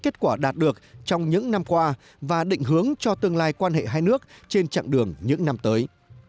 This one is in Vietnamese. kết quả đạt được trong những năm qua và định hướng cho tương lai quan hệ hai nước trên chặng đường những năm tới